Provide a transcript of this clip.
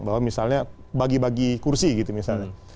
bahwa misalnya bagi bagi kursi gitu misalnya